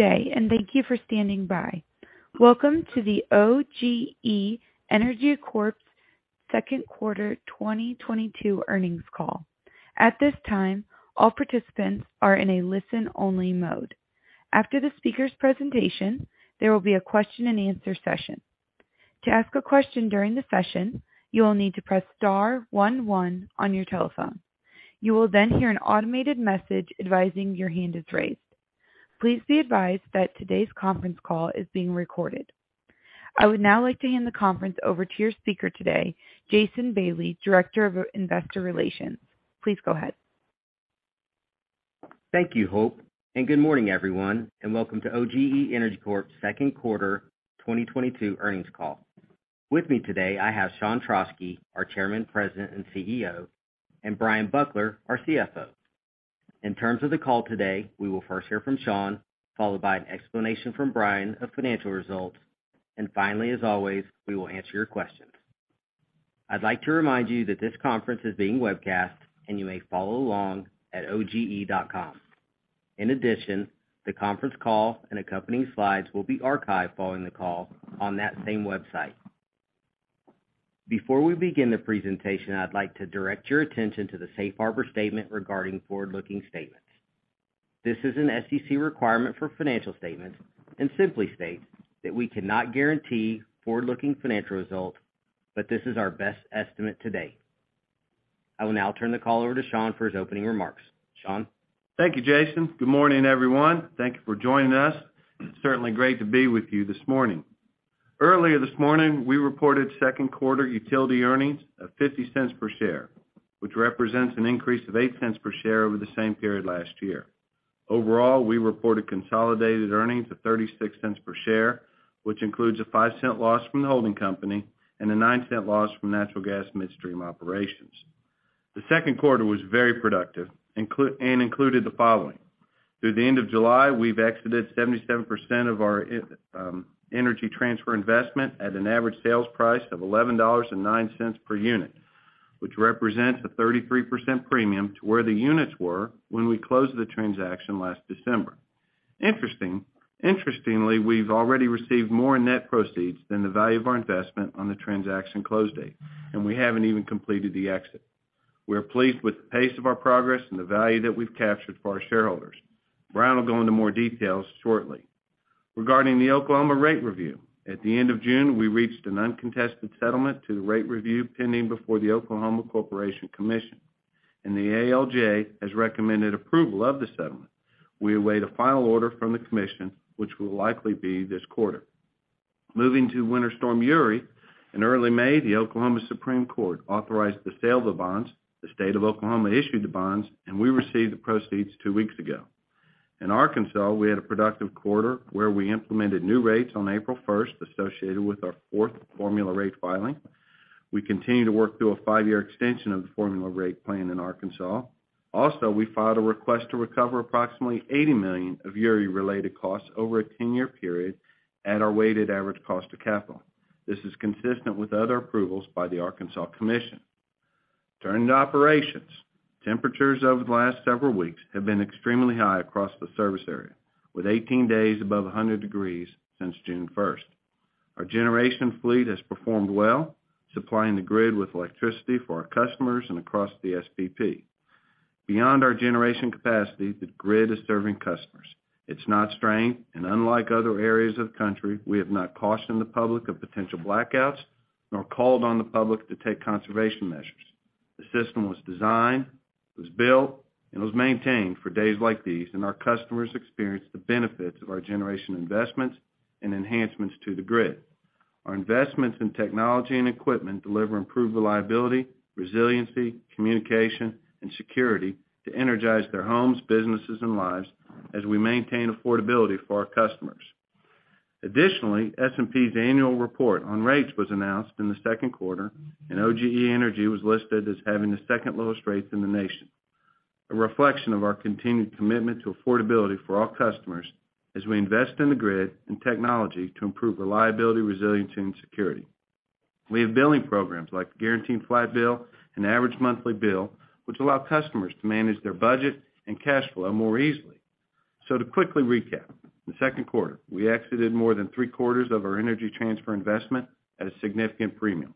Good day, and thank you for standing by. Welcome to the OGE Energy Corp.'s second quarter 2022 earnings call. At this time, all participants are in a listen-only mode. After the speaker's presentation, there will be a question-and-answer session. To ask a question during the session, you will need to press star one one on your telephone. You will then hear an automated message advising your hand is raised. Please be advised that today's conference call is being recorded. I would now like to hand the conference over to your speaker today, Jason Bailey, Director of Investor Relations. Please go ahead. Thank you, Hope, and good morning, everyone, and welcome to OGE Energy Corp.'s second quarter 2022 earnings call. With me today, I have Sean Trauschke, our Chairman, President, and CEO, and Bryan Buckler, our CFO. In terms of the call today, we will first hear from Sean, followed by an explanation from Bryan of financial results, and finally, as always, we will answer your questions. I'd like to remind you that this conference is being webcast, and you may follow along at oge.com. In addition, the conference call and accompanying slides will be archived following the call on that same website. Before we begin the presentation, I'd like to direct your attention to the Safe Harbor statement regarding forward-looking statements. This is an SEC requirement for financial statements and simply states that we cannot guarantee forward-looking financial results, but this is our best estimate today. I will now turn the call over to Sean for his opening remarks. Sean? Thank you, Jason. Good morning, everyone. Thank you for joining us. It's certainly great to be with you this morning. Earlier this morning, we reported second quarter utility earnings of $0.50 per share, which represents an increase of $0.08 per share over the same period last year. Overall, we reported consolidated earnings of $0.36 per share, which includes a $0.05 loss from the holding company and a $0.09 loss from natural gas midstream operations. The second quarter was very productive and included the following. Through the end of July, we've exited 77% of our Energy Transfer investment at an average sales price of $11.09 per unit, which represents a 33% premium to where the units were when we closed the transaction last December. Interestingly, we've already received more net proceeds than the value of our investment on the transaction close date, and we haven't even completed the exit. We are pleased with the pace of our progress and the value that we've captured for our shareholders. Bryan will go into more details shortly. Regarding the Oklahoma rate review, at the end of June, we reached an uncontested settlement to the rate review pending before the Oklahoma Corporation Commission, and the ALJ has recommended approval of the settlement. We await a final order from the commission, which will likely be this quarter. Moving to Winter Storm Uri, in early May, the Oklahoma Supreme Court authorized the sale of the bonds, the state of Oklahoma issued the bonds, and we received the proceeds two weeks ago. In Arkansas, we had a productive quarter where we implemented new rates on April 1st associated with our fourth formula rate filing. We continue to work through a five-year extension of the formula rate plan in Arkansas. Also, we filed a request to recover approximately $80 million of Uri-related costs over a 10-year period at our weighted average cost of capital. This is consistent with other approvals by the Arkansas Commission. Turning to operations. Temperatures over the last several weeks have been extremely high across the service area, with 18 days above 100 degrees since June 1st. Our generation fleet has performed well, supplying the grid with electricity for our customers and across the SPP. Beyond our generation capacity, the grid is serving customers. It's not strained, and unlike other areas of the country, we have not cautioned the public of potential blackouts nor called on the public to take conservation measures. The system was designed, it was built, and it was maintained for days like these, and our customers experience the benefits of our generation investments and enhancements to the grid. Our investments in technology and equipment deliver improved reliability, resiliency, communication, and security to energize their homes, businesses, and lives as we maintain affordability for our customers. Additionally, S&P's annual report on rates was announced in the second quarter, and OGE Energy was listed as having the second-lowest rates in the nation, a reflection of our continued commitment to affordability for all customers as we invest in the grid and technology to improve reliability, resiliency, and security. We have billing programs like Guaranteed Flat Bill and Average Monthly Bill, which allow customers to manage their budget and cash flow more easily. To quickly recap, in the second quarter, we exited more than three-quarters of our Energy Transfer investment at a significant premium.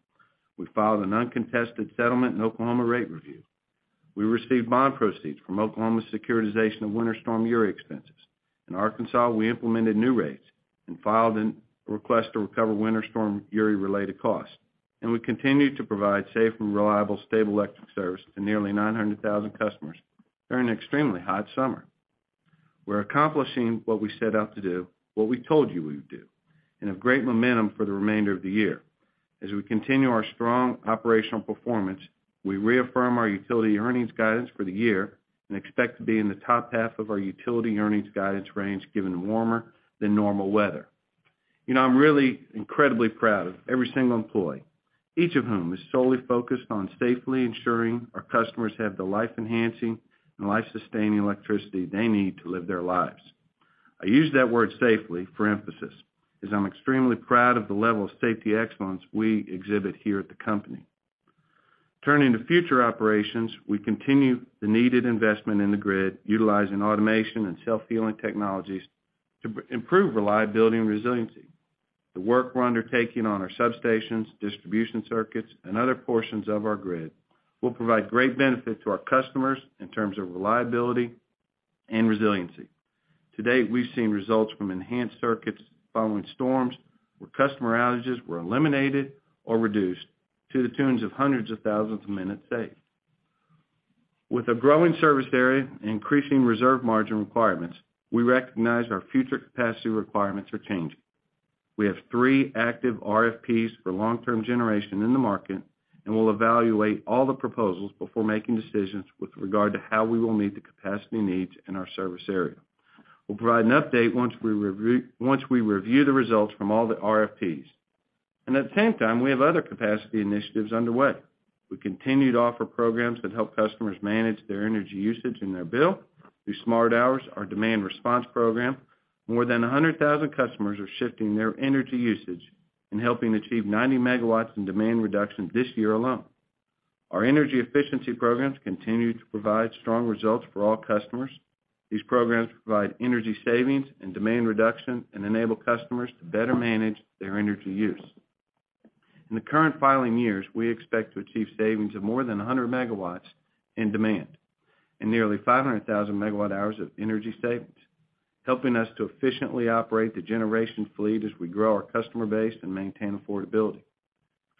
We filed an uncontested settlement in Oklahoma rate review. We received bond proceeds from Oklahoma's securitization of Winter Storm Uri expenses. In Arkansas, we implemented new rates and filed a request to recover Winter Storm Uri-related costs. We continue to provide safe and reliable, stable electric service to nearly 900,000 customers during an extremely hot summer. We're accomplishing what we set out to do, what we told you we would do, and have great momentum for the remainder of the year. As we continue our strong operational performance, we reaffirm our utility earnings guidance for the year and expect to be in the top half of our utility earnings guidance range, given warmer than normal weather. You know, I'm really incredibly proud of every single employee, each of whom is solely focused on safely ensuring our customers have the life-enhancing and life-sustaining electricity they need to live their lives. I use that word safely for emphasis, as I'm extremely proud of the level of safety excellence we exhibit here at the company. Turning to future operations, we continue the needed investment in the grid, utilizing automation and self-healing technologies to improve reliability and resiliency. The work we're undertaking on our substations, distribution circuits, and other portions of our grid will provide great benefit to our customers in terms of reliability and resiliency. To date, we've seen results from enhanced circuits following storms where customer outages were eliminated or reduced to the tune of hundreds of thousands of minutes saved. With a growing service area and increasing reserve margin requirements, we recognize our future capacity requirements are changing. We have three active RFPs for long-term generation in the market, and we'll evaluate all the proposals before making decisions with regard to how we will meet the capacity needs in our service area. We'll provide an update once we review the results from all the RFPs. At the same time, we have other capacity initiatives underway. We continue to offer programs that help customers manage their energy usage and their bill through SmartHours, our demand response program. More than 100,000 customers are shifting their energy usage and helping achieve 90 MW in demand reduction this year alone. Our energy efficiency programs continue to provide strong results for all customers. These programs provide energy savings and demand reduction and enable customers to better manage their energy use. In the current filing years, we expect to achieve savings of more than 100 MW in demand and nearly 500,000 MWh of energy savings, helping us to efficiently operate the generation fleet as we grow our customer base and maintain affordability.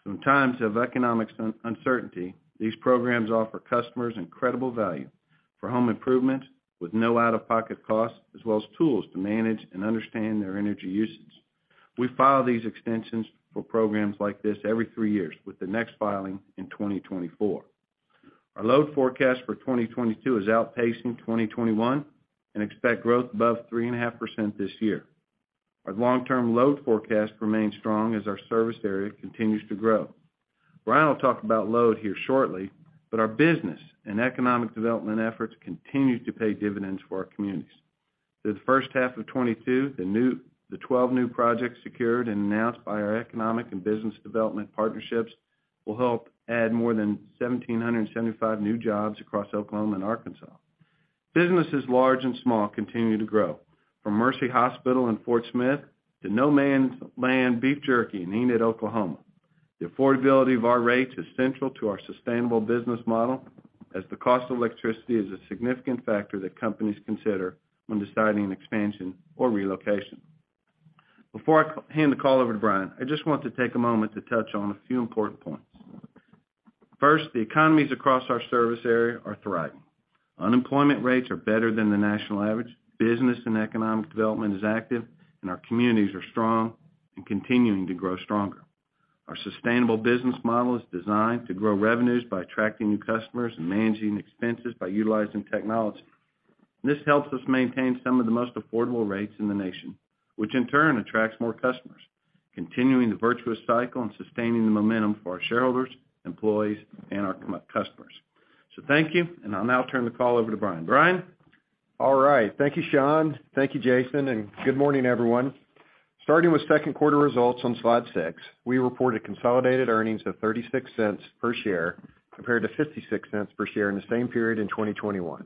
In times of economic uncertainty, these programs offer customers incredible value for home improvement with no out-of-pocket costs, as well as tools to manage and understand their energy usage. We file these extensions for programs like this every 3 years, with the next filing in 2024. Our load forecast for 2022 is outpacing 2021 and we expect growth above 3.5% this year. Our long-term load forecast remains strong as our service area continues to grow. Bryan will talk about load here shortly, but our business and economic development efforts continue to pay dividends for our communities. Through the first half of 2022, the 12 new projects secured and announced by our economic and business development partnerships will help add more than 1,775 new jobs across Oklahoma and Arkansas. Businesses large and small continue to grow, from Mercy Hospital Fort Smith to No Man's Land Beef Jerky in Enid, Oklahoma. The affordability of our rates is central to our sustainable business model, as the cost of electricity is a significant factor that companies consider when deciding an expansion or relocation. Before I hand the call over to Bryan, I just want to take a moment to touch on a few important points. First, the economies across our service area are thriving. Unemployment rates are better than the national average, business and economic development is active, and our communities are strong and continuing to grow stronger. Our sustainable business model is designed to grow revenues by attracting new customers and managing expenses by utilizing technology. This helps us maintain some of the most affordable rates in the nation, which in turn attracts more customers, continuing the virtuous cycle and sustaining the momentum for our shareholders, employees, and our customers. Thank you, and I'll now turn the call over to Bryan. Bryan? All right. Thank you, Sean. Thank you, Jason, and good morning, everyone. Starting with second quarter results on slide six, we reported consolidated earnings of $0.36 per share compared to $0.56 per share in the same period in 2021.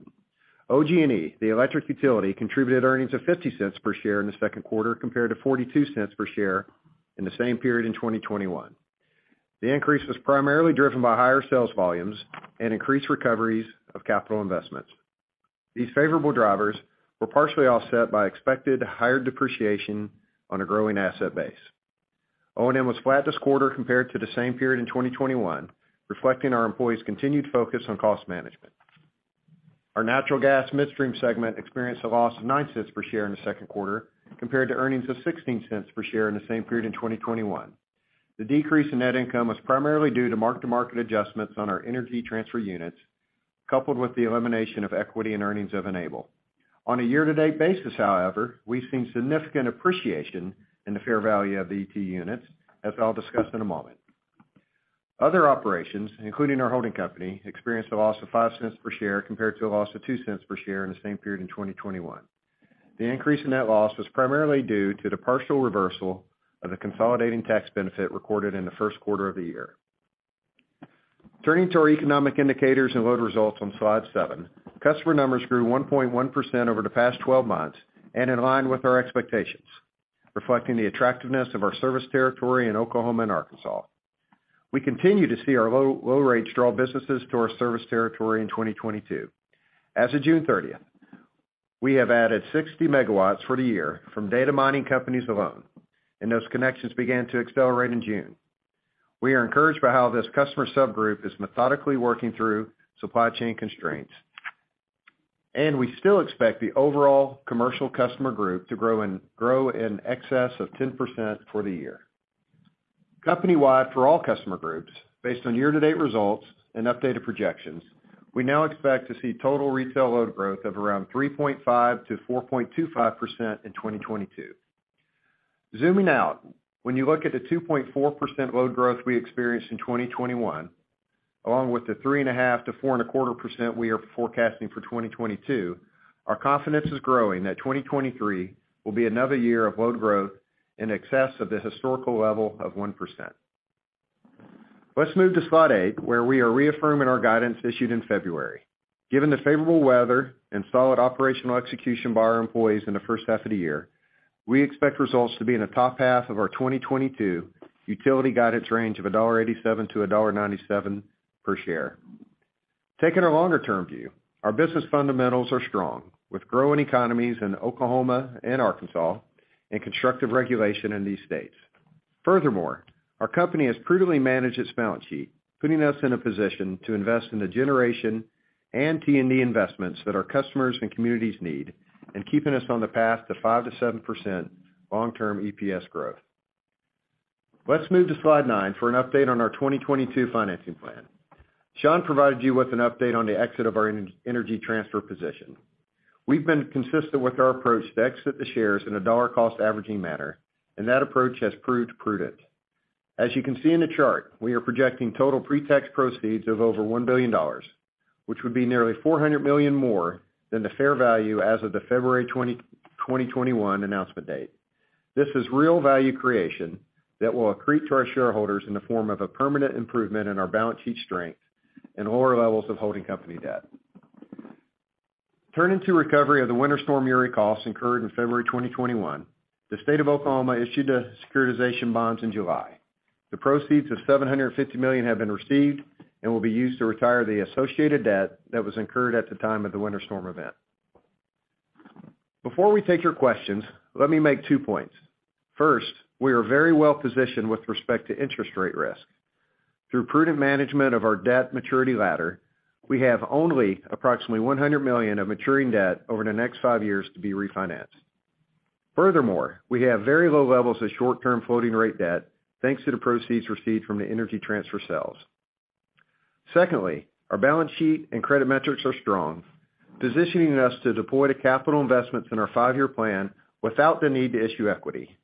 OG&E, the electric utility, contributed earnings of $0.50 per share in the second quarter compared to $0.42 per share in the same period in 2021. The increase was primarily driven by higher sales volumes and increased recoveries of capital investments. These favorable drivers were partially offset by expected higher depreciation on a growing asset base. O&M was flat this quarter compared to the same period in 2021, reflecting our employees' continued focus on cost management. Our natural gas midstream segment experienced a loss of $0.09 per share in the second quarter compared to earnings of $0.16 per share in the same period in 2021. The decrease in net income was primarily due to mark-to-market adjustments on our Energy Transfer units, coupled with the elimination of equity and earnings of Enable. On a year-to-date basis, however, we've seen significant appreciation in the fair value of ET units, as I'll discuss in a moment. Other operations, including our holding company, experienced a loss of $0.05 per share compared to a loss of $0.02 per share in the same period in 2021. The increase in net loss was primarily due to the partial reversal of the consolidating tax benefit recorded in the first quarter of the year. Turning to our economic indicators and load results on slide seven, customer numbers grew 1.1% over the past 12 months and in line with our expectations, reflecting the attractiveness of our service territory in Oklahoma and Arkansas. We continue to see our low, low rates draw businesses to our service territory in 2022. As of June 30th, we have added 60 MW for the year from data mining companies alone, and those connections began to accelerate in June. We are encouraged by how this customer subgroup is methodically working through supply chain constraints, and we still expect the overall commercial customer group to grow in excess of 10% for the year. Company-wide, for all customer groups, based on year-to-date results and updated projections, we now expect to see total retail load growth of around 3.5%-4.25% in 2022. Zooming out, when you look at the 2.4% load growth we experienced in 2021, along with the 3.5%-4.25% we are forecasting for 2022, our confidence is growing that 2023 will be another year of load growth in excess of the historical level of 1%. Let's move to slide eight, where we are reaffirming our guidance issued in February. Given the favorable weather and solid operational execution by our employees in the first half of the year, we expect results to be in the top half of our 2022 utility guidance range of $1.87-$1.97 per share. Taking a longer-term view, our business fundamentals are strong, with growing economies in Oklahoma and Arkansas and constructive regulation in these states. Furthermore, our company has prudently managed its balance sheet, putting us in a position to invest in the generation and T&D investments that our customers and communities need and keeping us on the path to 5%-7% long-term EPS growth. Let's move to slide nine for an update on our 2022 financing plan. Sean provided you with an update on the exit of our Enable Energy Transfer position. We've been consistent with our approach to exit the shares in a dollar-cost averaging manner, and that approach has proved prudent. As you can see in the chart, we are projecting total pre-tax proceeds of over $1 billion, which would be nearly $400 million more than the fair value as of the February 20, 2021 announcement date. This is real value creation that will accrete to our shareholders in the form of a permanent improvement in our balance sheet strength and lower levels of holding company debt. Turning to recovery of the Winter Storm Uri costs incurred in February 2021, the State of Oklahoma issued the securitization bonds in July. The proceeds of $750 million have been received and will be used to retire the associated debt that was incurred at the time of the winter storm event. Before we take your questions, let me make two points. First, we are very well positioned with respect to interest rate risk. Through prudent management of our debt maturity ladder, we have only approximately $100 million of maturing debt over the next five years to be refinanced. Furthermore, we have very low levels of short-term floating rate debt, thanks to the proceeds received from the Energy Transfer sales. Secondly, our balance sheet and credit metrics are strong, positioning us to deploy the capital investments in our five-year plan without the need to issue equity.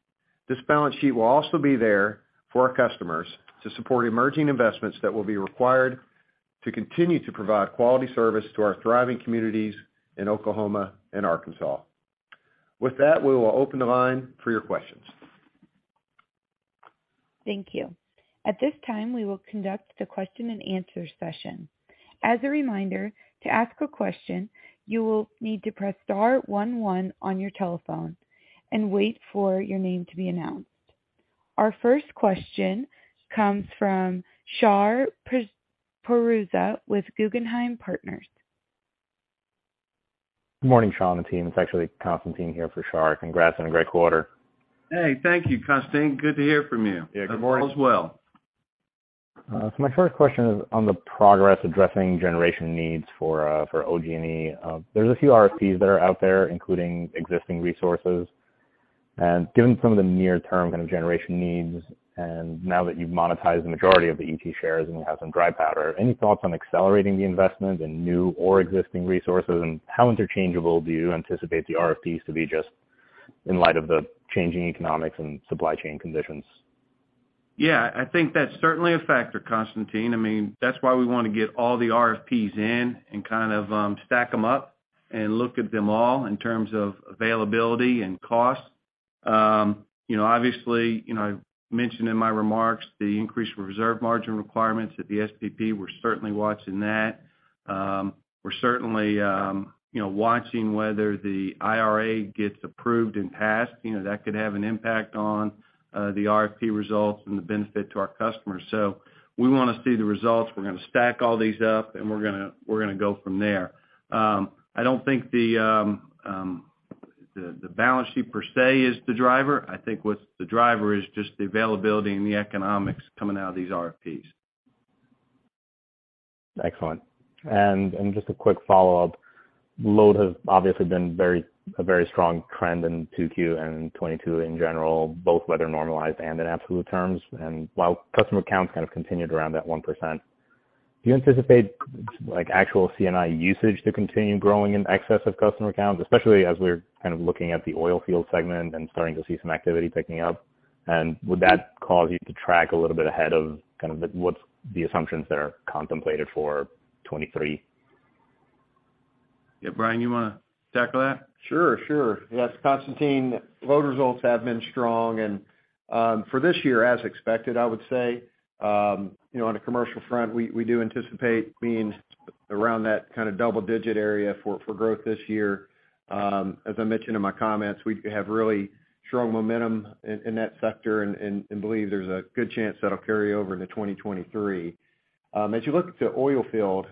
This balance sheet will also be there for our customers to support emerging investments that will be required to continue to provide quality service to our thriving communities in Oklahoma and Arkansas. With that, we will open the line for your questions. Thank you. At this time, we will conduct the question-and-answer session. As a reminder, to ask a question, you will need to press star one one on your telephone and wait for your name to be announced. Our first question comes from Shar Pourreza with Guggenheim Partners. Good morning, Shar and the team. It's actually Constantine here for Shar. Congrats on a great quarter. Hey, thank you, Constantine. Good to hear from you. Yeah, good morning. All is well. My first question is on the progress addressing generation needs for OG&E. There's a few RFPs that are out there, including existing resources. Given some of the near-term kind of generation needs, and now that you've monetized the majority of the ET shares and you have some dry powder, any thoughts on accelerating the investment in new or existing resources? How interchangeable do you anticipate the RFPs to be just in light of the changing economics and supply chain conditions? Yeah, I think that's certainly a factor, Constantine. I mean, that's why we want to get all the RFPs in and kind of stack them up and look at them all in terms of availability and cost. You know, obviously, you know, I mentioned in my remarks the increased reserve margin requirements at the SPP. We're certainly watching that. We're certainly, you know, watching whether the IRA gets approved and passed. You know, that could have an impact on the RFP results and the benefit to our customers. We want to see the results. We're gonna stack all these up, and we're gonna go from there. I don't think the balance sheet per se is the driver. I think what's the driver is just the availability and the economics coming out of these RFPs. Excellent. Just a quick follow-up. Load has obviously been a very strong trend in 2Q and 2022 in general, both weather normalized and in absolute terms. While customer counts kind of continued around that 1%, do you anticipate, like, actual C&I usage to continue growing in excess of customer counts, especially as we're kind of looking at the oil field segment and starting to see some activity picking up? Would that cause you to track a little bit ahead of kind of the assumptions that are contemplated for 2023? Yeah, Bryan, you wanna tackle that? Sure, sure. Yes, Constantine, load results have been strong and, for this year, as expected, I would say. You know, on the commercial front we do anticipate being around that kind of double-digit area for growth this year. As I mentioned in my comments, we have really strong momentum in that sector and believe there's a good chance that'll carry over into 2023. As you look at the oil field,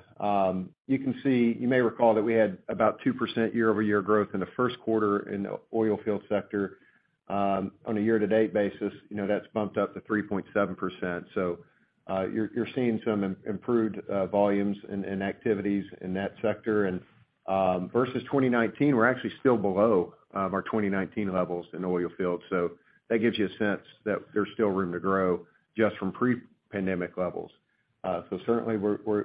you may recall that we had about 2% year-over-year growth in the first quarter in the oil field sector. On a year-to-date basis, you know, that's bumped up to 3.7%. You're seeing some improved volumes and activities in that sector. Versus 2019, we're actually still below our 2019 levels in oil field. That gives you a sense that there's still room to grow just from pre-pandemic levels. Certainly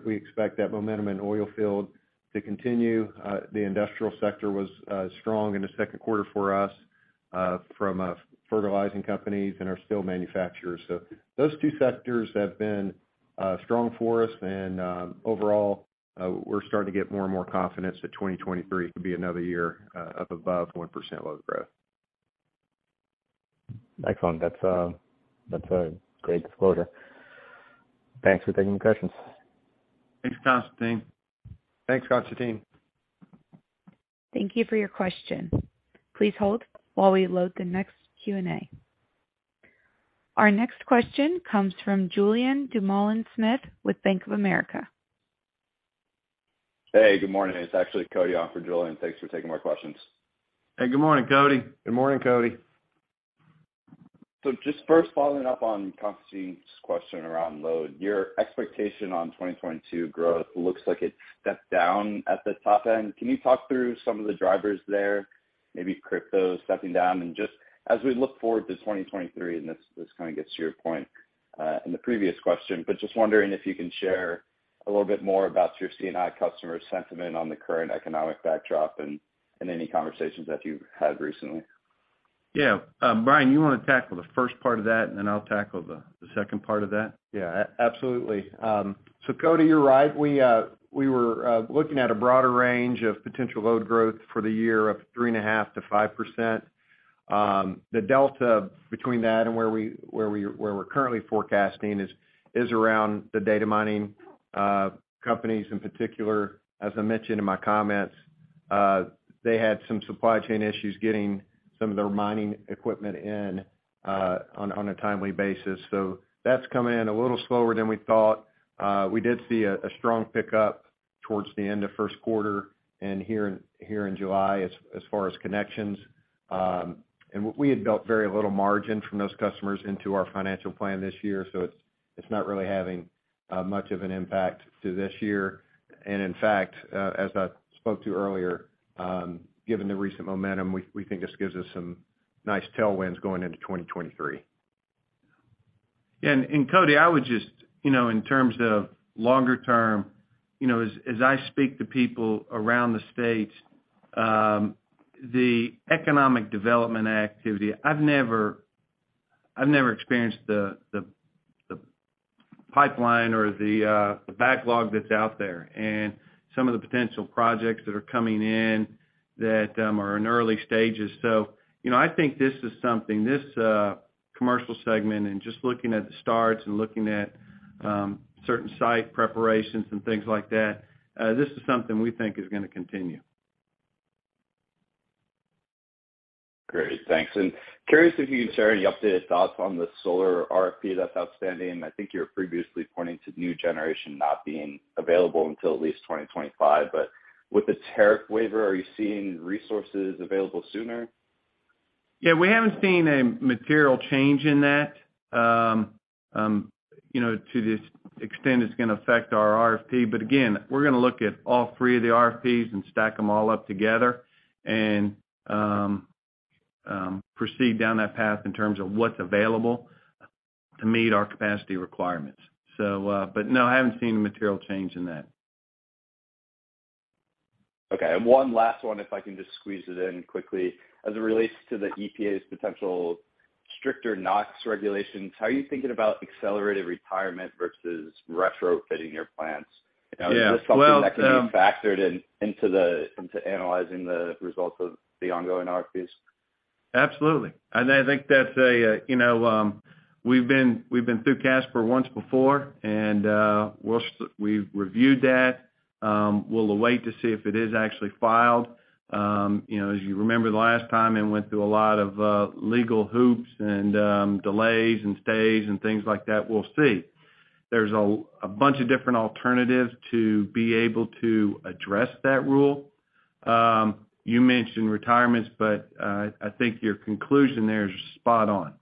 we expect that momentum in oil field to continue. The industrial sector was strong in the second quarter for us from fertilizer companies and our steel manufacturers. Those two sectors have been strong for us. Overall, we're starting to get more and more confidence that 2023 could be another year up above 1% load growth. Excellent. That's a great disclosure. Thanks for taking the questions. Thanks, Constantine. Thank you for your question. Please hold while we load the next Q&A. Our next question comes from Julien Dumoulin-Smith with Bank of America. Hey, good morning. It's actually Cody on for Julien. Thanks for taking my questions. Hey, good morning, Cody. Good morning, Cody. Just first following up on Constantine's question around load. Your expectation on 2022 growth looks like it stepped down at the top end. Can you talk through some of the drivers there? Maybe crypto stepping down? Just as we look forward to 2023, this kind of gets to your point in the previous question, but just wondering if you can share a little bit more about your C&I customer sentiment on the current economic backdrop and any conversations that you've had recently. Yeah. Bryan, you wanna tackle the first part of that, and then I'll tackle the second part of that? Yeah. Absolutely. So Cody, you're right. We were looking at a broader range of potential load growth for the year of 3.5%-5%. The delta between that and where we're currently forecasting is around the cryptocurrency mining companies in particular. As I mentioned in my comments, they had some supply chain issues getting some of their mining equipment in on a timely basis. So that's come in a little slower than we thought. We did see a strong pickup towards the end of first quarter and here in July as far as connections. We had built very little margin from those customers into our financial plan this year, so it's not really having much of an impact to this year. In fact, as I spoke to earlier, given the recent momentum, we think this gives us some nice tailwinds going into 2023. Cody, I would just, you know, in terms of longer term, you know, as I speak to people around the state, the economic development activity, I've never experienced the pipeline or the backlog that's out there and some of the potential projects that are coming in that are in early stages. You know, I think this is something, this, commercial segment and just looking at the starts and looking at, certain site preparations and things like that, this is something we think is gonna continue. Great. Thanks. Curious if you can share any updated thoughts on the solar RFP that's outstanding. I think you were previously pointing to new generation not being available until at least 2025. With the tariff waiver, are you seeing resources available sooner? Yeah, we haven't seen a material change in that. You know, to the extent it's gonna affect our RFP. Again, we're gonna look at all three of the RFPs and stack them all up together and proceed down that path in terms of what's available to meet our capacity requirements. No, I haven't seen a material change in that. Okay. One last one, if I can just squeeze it in quickly. As it relates to the EPA's potential stricter NOx regulations, how are you thinking about accelerated retirement versus retrofitting your plants? Yeah. Well,- Is this something that can be factored in, into analyzing the results of the ongoing RFPs? Absolutely. I think that's you know we've been through CSAPR once before and we've reviewed that. We'll wait to see if it is actually filed. You know, as you remember the last time, it went through a lot of legal hoops and delays and stays and things like that. We'll see. There's a bunch of different alternatives to be able to address that rule. You mentioned retirements, but I think your conclusion there is spot on.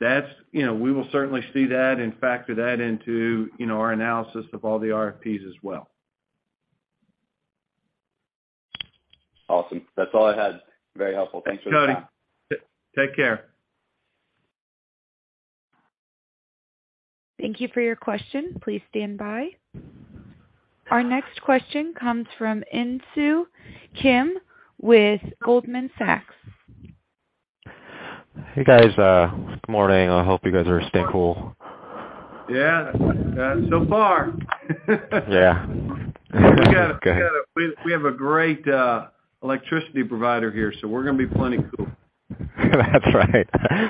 You know, we will certainly see that and factor that into you know our analysis of all the RFPs as well. Awesome. That's all I had. Very helpful. Thanks for the time. Thanks, Cody. Take care. Thank you for your question. Please stand by. Our next question comes from Insoo Kim with Goldman Sachs. Hey, guys. Good morning. I hope you guys are staying cool. Yeah. Yeah, so far. Yeah. We have a great electricity provider here, so we're gonna be plenty cool. That's right.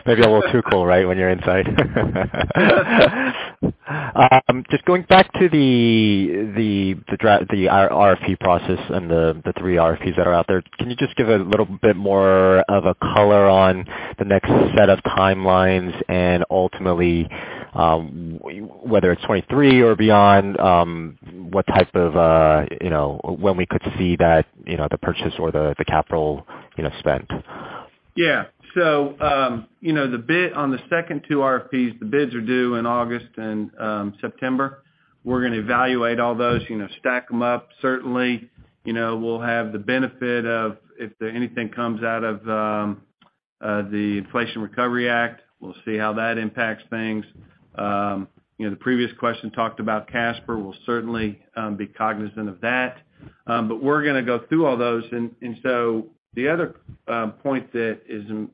Maybe a little too cool, right, when you're inside. Just going back to the RFP process and the three RFPs that are out there. Can you just give a little bit more of a color on the next set of timelines and ultimately, whether it's 2023 or beyond, what type of, you know, when we could see that, you know, the purchase or the capital, you know, spent? Yeah. The bids on the second two RFPs are due in August and September. We're gonna evaluate all those, you know, stack them up. Certainly, you know, we'll have the benefit of if anything comes out of the Inflation Reduction Act, we'll see how that impacts things. You know, the previous question talked about CSAPR. We'll certainly be cognizant of that. We're gonna go through all those. The other point that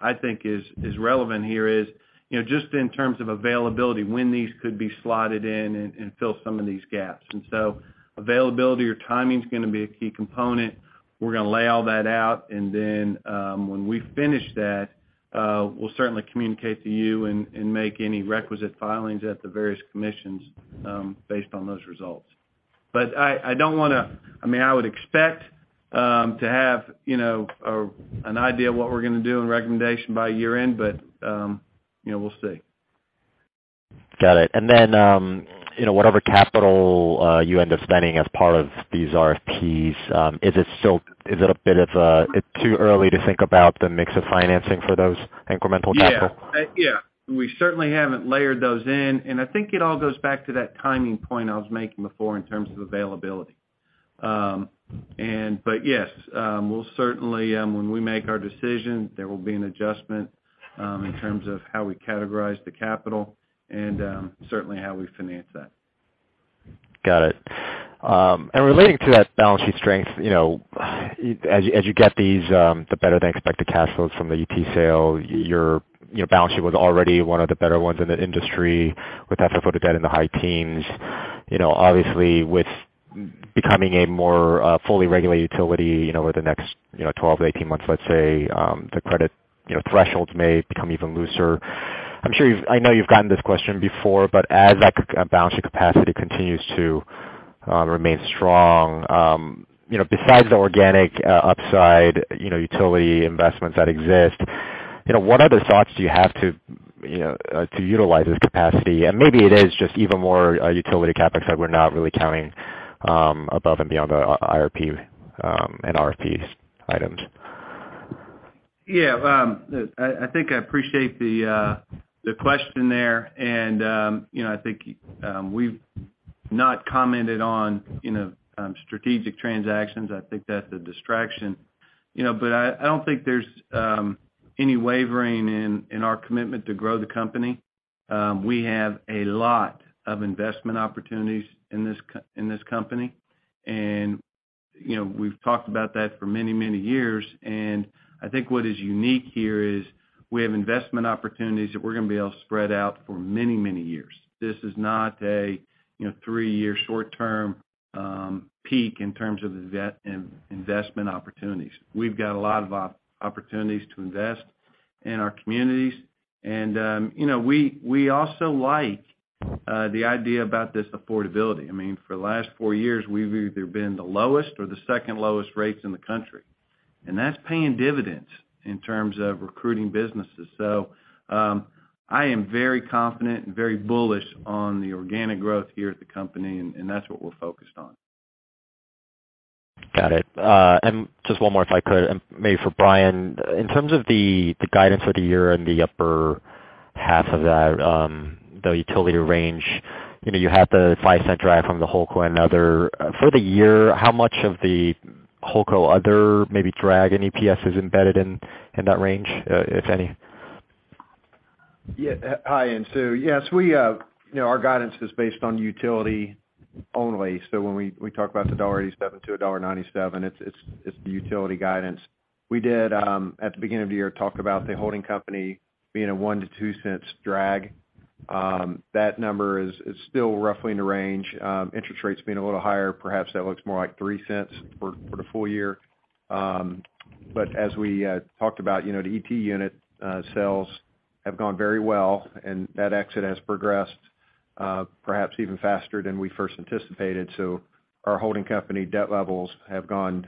I think is relevant here is, you know, just in terms of availability, when these could be slotted in and fill some of these gaps. Availability or timing is gonna be a key component. We're gonna lay all that out, and then, when we finish that, we'll certainly communicate to you and make any requisite filings at the various commissions, based on those results. I mean, I would expect to have, you know, an idea of what we're gonna do and recommendation by year-end, but, you know, we'll see. Got it. You know, whatever capital you end up spending as part of these RFPs, is it too early to think about the mix of financing for those incremental capital? We certainly haven't layered those in, and I think it all goes back to that timing point I was making before in terms of availability. Yes, we'll certainly, when we make our decision, there will be an adjustment in terms of how we categorize the capital and certainly how we finance that. Got it. Relating to that balance sheet strength, you know, as you get these the better-than-expected cash flows from the ET sale, your you know, balance sheet was already one of the better ones in the industry, with FFO to debt in the high teens. You know, obviously, with becoming a more fully regulated utility, you know, over the next 12-18 months, let's say the credit you know, thresholds may become even looser. I know you've gotten this question before, but as that balance sheet capacity continues to remain strong, you know, besides the organic upside, you know, utility investments that exist, you know, what other thoughts do you have to you know to utilize this capacity? Maybe it is just even more utility CapEx that we're not really counting above and beyond the IRP and RFPs items. Yeah. I think I appreciate the question there. I think we've not commented on strategic transactions. You know, I think that's a distraction. You know, I don't think there's any wavering in our commitment to grow the company. We have a lot of investment opportunities in this company. You know, we've talked about that for many, many years. I think what is unique here is we have investment opportunities that we're gonna be able to spread out for many, many years. This is not a three-year short-term peak in terms of investment opportunities. You know, we've got a lot of opportunities to invest in our communities. You know, we also like the idea about this affordability. I mean, for the last four years, we've either been the lowest or the second lowest rates in the country. That's paying dividends in terms of recruiting businesses. I am very confident and very bullish on the organic growth here at the company, and that's what we're focused on. Got it. Just one more, if I could, and maybe for Bryan. In terms of the guidance for the year and the upper half of that, the utility range, you know, you have the $0.05 drive from the holding company and other. For the year, how much of the holding company and other maybe drag in EPS is embedded in that range, if any? Yeah. Hi, Insoo. Yes, we, you know, our guidance is based on utility only. When we talk about the $1.87-$1.97, it's the utility guidance. We did, at the beginning of the year, talk about the holding company being a $0.01-$0.02 drag. That number is still roughly in the range. Interest rates being a little higher, perhaps that looks more like $0.03 for the full year. As we talked about, you know, the ET unit sales have gone very well, and that exit has progressed, perhaps even faster than we first anticipated. Our holding company debt levels have gone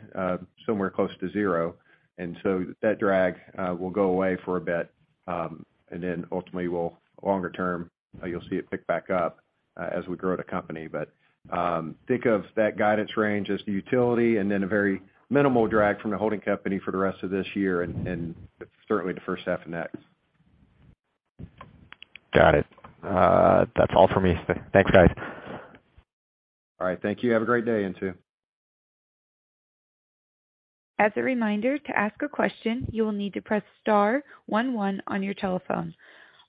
somewhere close to zero. That drag will go away for a bit, and then ultimately will longer term, you'll see it pick back up, as we grow the company. Think of that guidance range as the utility and then a very minimal drag from the holding company for the rest of this year and certainly the first half of next. Got it. That's all for me. Thanks, guys. All right. Thank you. Have a great day, Insoo. As a reminder, to ask a question, you will need to press star one one on your telephone.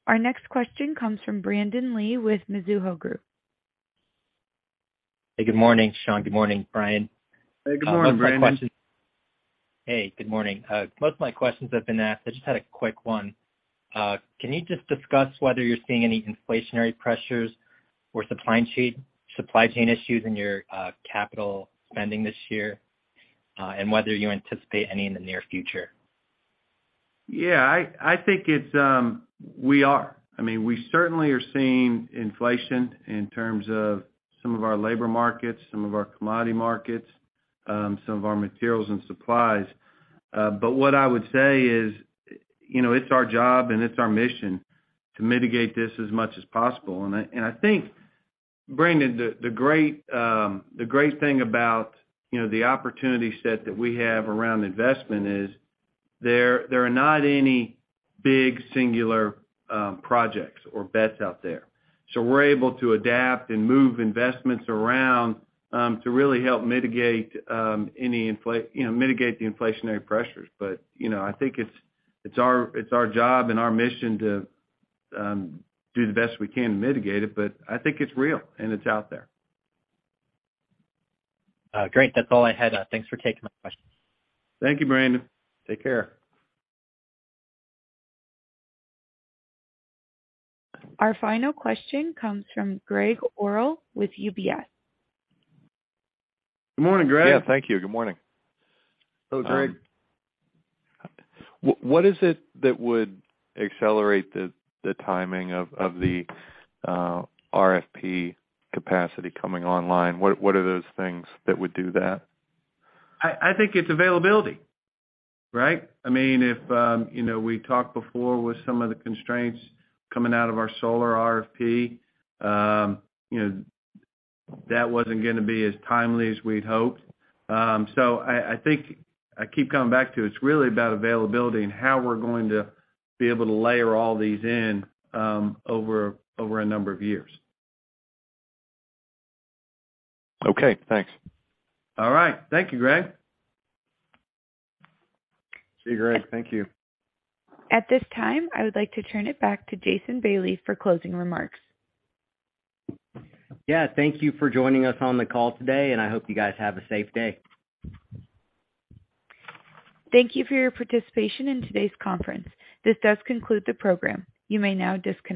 Our next question comes from Brandon Lee with Mizuho Group. Hey, good morning, Sean. Good morning, Bryan. Hey, good morning, Brandon. Hey, good morning. Most of my questions have been asked. I just had a quick one. Can you just discuss whether you're seeing any inflationary pressures or supply chain issues in your capital spending this year, and whether you anticipate any in the near future? Yeah. We are. I mean, we certainly are seeing inflation in terms of some of our labor markets, some of our commodity markets, some of our materials and supplies. What I would say is, you know, it's our job and it's our mission to mitigate this as much as possible. I think, Brandon, the great thing about, you know, the opportunity set that we have around investment is there are not any big singular projects or bets out there. We're able to adapt and move investments around to really help mitigate, you know, the inflationary pressures. You know, I think it's our job and our mission to do the best we can to mitigate it, but I think it's real and it's out there. Great. That's all I had. Thanks for taking my questions. Thank you, Brandon. Take care. Our final question comes from Gregg Orrill with UBS. Good morning, Gregg. Yeah. Thank you. Good morning. Hello, Gregg. What is it that would accelerate the timing of the RFP capacity coming online? What are those things that would do that? I think it's availability, right? I mean, if you know, we talked before with some of the constraints coming out of our solar RFP, you know, that wasn't gonna be as timely as we'd hoped. I think I keep coming back to it's really about availability and how we're going to be able to layer all these in, over a number of years. Okay, thanks. All right. Thank you, Gregg. See you, Gregg. Thank you. At this time, I would like to turn it back to Jason Bailey for closing remarks. Yeah. Thank you for joining us on the call today, and I hope you guys have a safe day. Thank you for your participation in today's conference. This does conclude the program. You may now disconnect.